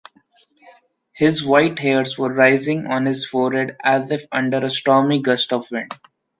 His white hairs were rising on his forehead as if under a stormy gust of wind.